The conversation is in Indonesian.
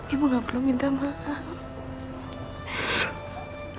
ibu nggak perlu minta maaf